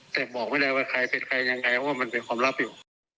แต่บอกไม่ได้ว่าใครเป็นใครยังไงเพราะว่ามันเป็นความลับอยู่